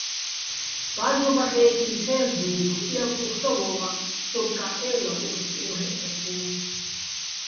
ბა́ზრობახ ე́ცინო̆ თე́ლ'ე̆ დუ́ფხო̆, იაფუხ და ვო́მაჸ, სოუბო̆-კაჸ ე́ვლა ო́სი ო́ჰეჸ ტათბუვ.